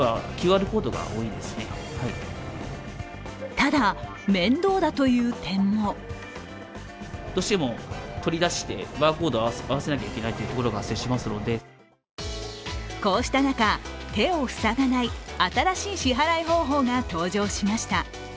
ただ、面倒だという点もこうした中、手を塞がない新しい支払い方法が登場しました。